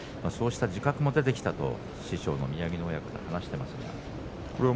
そうした自覚も出てきたと師匠の宮城野親方が話しています。